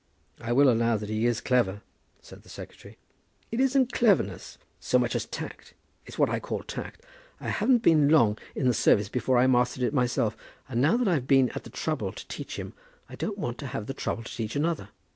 "I will allow that he is clever," said the secretary. "It isn't cleverness, so much as tact. It's what I call tact. I hadn't been long in the service before I mastered it myself; and now that I've been at the trouble to teach him I don't want to have the trouble to teach another.